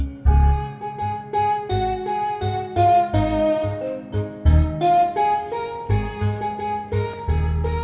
gak ada apa apa